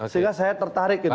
sehingga saya tertarik